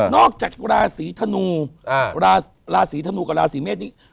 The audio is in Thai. นอกจากราศีธนูกับราศีเมศ